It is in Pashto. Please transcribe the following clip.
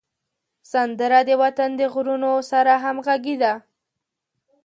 سندره د وطن د غرونو سره همږغي ده